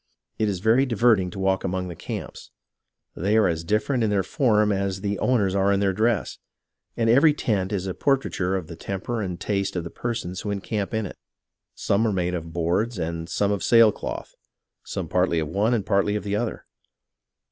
It is very diverting to walk among the camps. They are as different in their form as the owners are in their dress, and every tent is a portraiture of the temper and taste of the persons who encamp in it. Some are made of boards and some of sail cloth ; some partly of one and partly of the other.